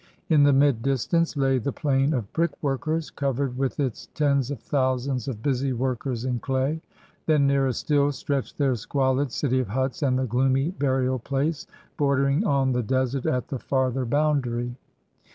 In the mid distance lay the plain of brick workers, covered with its tens of thousands of busy workers in clay. Then, nearer still, stretched their squalid city of huts, and the gloomy burial place, bordering an the desert at the farther boundary.